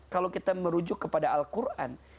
kalau kita merujuk kepada al quran